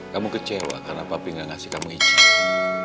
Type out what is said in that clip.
kamu kecewa karena papi gak ngasih kamu icin